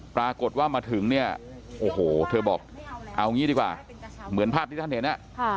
ปรากฏว่ามาถึงเนี่ยโอ้โหเธอบอกเอางี้ดีกว่าเหมือนภาพที่ท่านเห็น